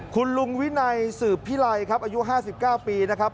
คุณลุงวินัยสืบพิไลครับอายุ๕๙ปีนะครับ